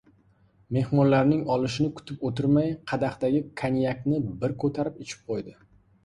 Mehmonlarning olishini kutib o‘tirmay, qadahdagi konyakni bir ko‘tarib ichib qo‘ydi.